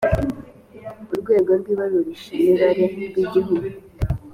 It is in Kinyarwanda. urwego rw ibarurishamibare rw igihugu